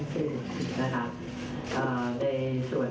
ไม่ต้องกระมวลนะคะไม่มีปัญหาใดที่ซึ่ง